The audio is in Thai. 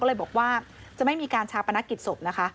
ก็เลยบอกว่าจะไม่มีการชาปนกิจศพนะคะ